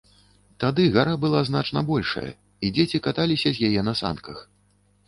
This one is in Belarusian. Тады гара была значна большая, і дзеці каталіся з яе на санках.